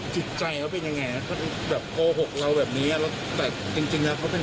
จิตใจเขาเป็นยังไงเขากลหกเราแบบนี้แต่จริงนะเขาเป็น